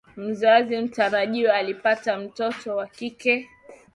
Mzazi mtarajiwa alipata mtoto wa kike.